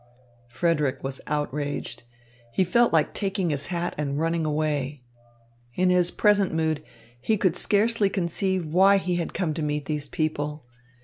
Frederick was outraged. He felt like taking his hat and running away. In his present mood, he could scarcely conceive why he had come to meet these people.